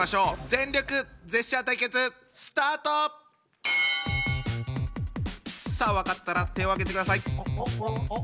全力ジェスチャー対決スタート！さあ分かったら手を挙げてください。